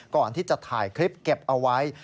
ก่อนที่จะถ่ายคลิปเก็บเอาไว้